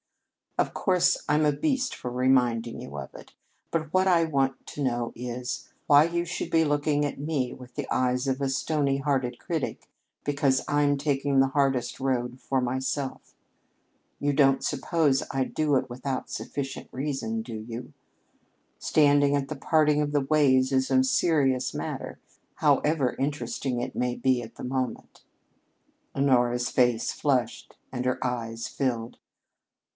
Of course, I'm a beast for reminding you of it. But what I want to know is, why you should be looking at me with the eyes of a stony hearted critic because I'm taking the hardest road for myself. You don't suppose I'd do it without sufficient reason, do you? Standing at the parting of the ways is a serious matter, however interesting it may be at the moment." Honora's face flushed and her eyes filled.